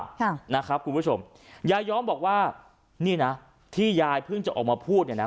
ค่ะนะครับคุณผู้ชมยายย้อมบอกว่านี่นะที่ยายเพิ่งจะออกมาพูดเนี่ยนะ